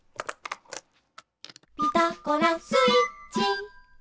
「ピタゴラスイッチ」